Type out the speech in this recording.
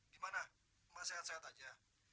gimana emak sehat sehat aja